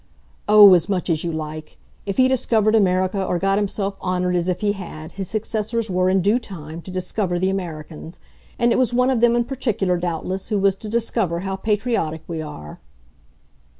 "Oh, as much as you like! If he discovered America or got himself honoured as if he had his successors were, in due time, to discover the Americans. And it was one of them in particular, doubtless, who was to discover how patriotic we are."